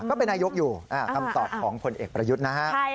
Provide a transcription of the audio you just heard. ก็เป็นนายกอยู่คำตอบของผลเอกประยุทธ์นะฮะ